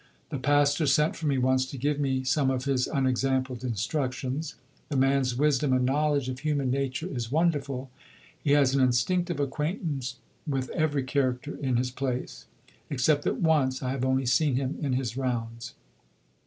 The Pastor sent for me once to give me some of his unexampled instructions; the man's wisdom and knowledge of human nature is wonderful; he has an instinctive acquaintance with every character in his place. Except that once I have only seen him in his rounds.